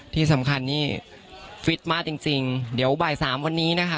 ที่สำคัญนี่ฟิตมากจริงจริงเดี๋ยวบ่ายสามวันนี้นะคะ